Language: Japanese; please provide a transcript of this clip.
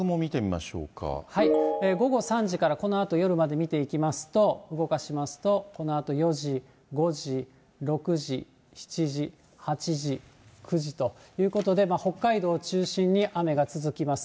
午後３時から、このあと夜まで見ていきますと、動かしますと、このあと４時、５時、６時、７時、８時、９時ということで、北海道を中心に雨が続きます。